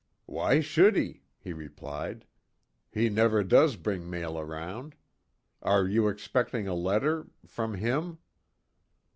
"Why should he?" he replied. "He never does bring mail round. Are you expecting a letter from him?"